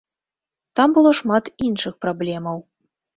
Там было шмат іншых праблемаў.